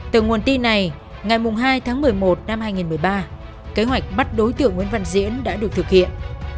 từ nguồn tin này ngày hai tháng một mươi một năm hai nghìn một mươi ba kế hoạch bắt đối tượng nguyễn văn diễn đã được thực hiện